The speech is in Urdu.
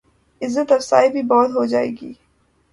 عزت افزائی بھی بہت ہو جائے گی۔